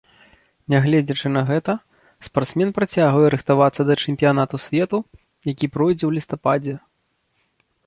Нягледзячы на гэта, спартсмен працягвае рыхтавацца да чэмпіянату свету, які пройдзе ў лістападзе.